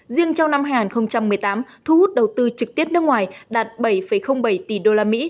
riêng trong năm hai nghìn một mươi tám thu hút đầu tư trực tiếp nước ngoài đạt bảy bảy tỷ usd